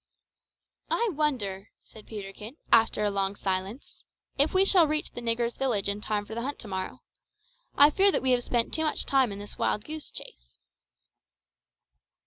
"I wonder," said Peterkin, after a long silence, "if we shall reach the niggers' village in time for the hunt to morrow. I fear that we have spent too much time in this wild goose chase."